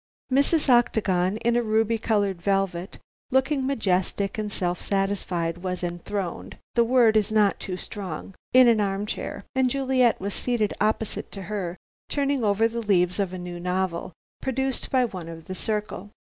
Mrs. Octagon, in a ruby colored velvet, looking majestic and self satisfied, was enthroned the word is not too strong in an arm chair, and Juliet was seated opposite to her turning over the leaves of a new novel produced by one of The Circle.